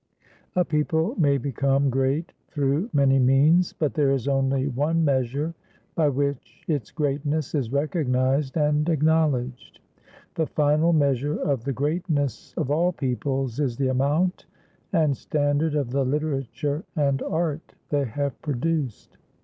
A people may become great through many means, but there is only one measure by which its greatness is recognized and acknowledged. The final measure of the greatness of all peoples is the amount and standard of the literature and art they have produced.